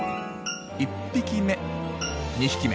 １匹目。